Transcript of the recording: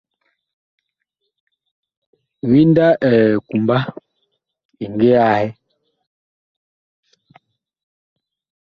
Winda ɛ kumba ɛ ngi ahɛ .